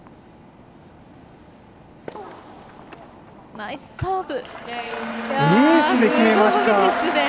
ナイスサーブ！